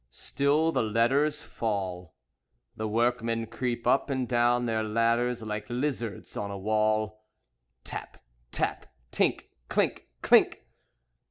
Still the letters fall, The workmen creep up and down their ladders like lizards on a wall. Tap! Tap! Tink! Clink! Clink!